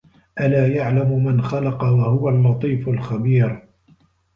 أَلا يَعلَمُ مَن خَلَقَ وَهُوَ اللَّطيفُ الخَبيرُ